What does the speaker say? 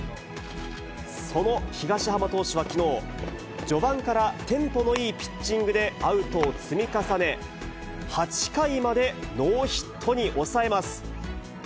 その東浜投手はきのう、序盤からテンポのいいピッチングでアウトを積み重ね、８回までノーヒットに抑えます。